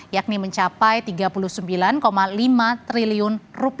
yakni mencapai rp tiga puluh sembilan lima triliun